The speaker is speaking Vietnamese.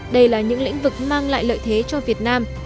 đây là những lĩnh vực mang lại lợi thế cho việt nam